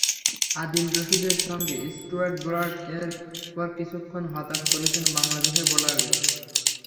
আদিল রশিদের সঙ্গে Stuart Broad এরপর কিছুক্ষণ হতাশ করেছেন বাংলাদেশের বোলারদের।